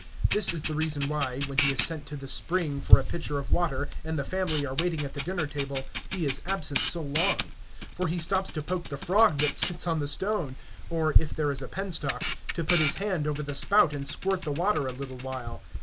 This is the reason why, when he is sent to the spring for a pitcher of water, and the family are waiting at the dinner table, he is absent so long; for he stops to poke the frog that sits on the stone, or, if there is a penstock, to put his hand over the spout and squirt the water a little while.